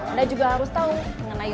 anda juga harus tahu mengenai